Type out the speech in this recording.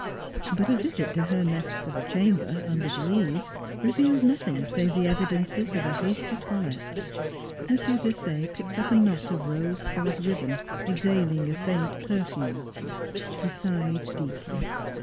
But a visit to her nest of a chamber under the eaves revealed nothing save the evidences of a hasty toilet. M. Desaye picked up a knot of rose colored ribbon exhaling a faint perfume. He sighed deeply.